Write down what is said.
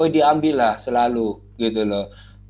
oh diambil lah selalu gitu loh